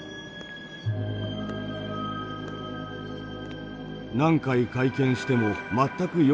「何回会見しても全く要領を得ない。